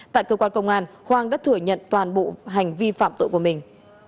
tại cơ quan công an hoàng đã thừa nhận toàn bộ hành vi phạm tội của mình